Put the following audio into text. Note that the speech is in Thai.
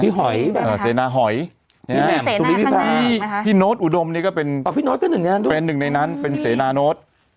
พี่หอยแบบเสนาหอยตุลิพี่พามีพี่โน๊ตอุดมนี่ก็เป็นหนึ่งในนั้นเป็นเสนาโน๊ต